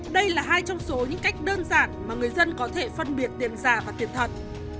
đây là hai trong số những cách đơn giản mà người dân có thể phân biệt tiền giả và tiền thật